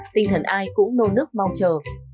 tinh thần ai cũng nôn nước mong chờ